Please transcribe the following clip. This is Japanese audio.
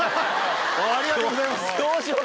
ありがとうございます！